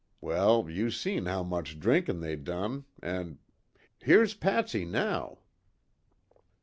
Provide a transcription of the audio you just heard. _' Well, you seen how much drinkin' they done, an' Here's Patsy, now!"